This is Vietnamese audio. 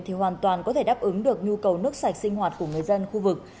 thì hoàn toàn có thể đáp ứng được nhu cầu nước sạch sinh hoạt của người dân khu vực